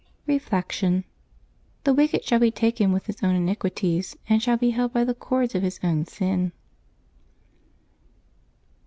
Reflection. —" The wicked shall be taken with his own iniquities, and shall be held by the cords of his own sin."